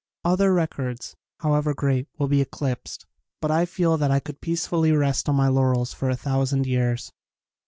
Other records, however great, will be eclipsed but I feel that I could peacefully rest on my laurels for a thousand years.